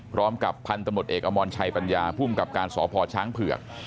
พร้อมกับพันธมตเอกอมรชัยปัญญาภูมิกับการสพช้างเผือก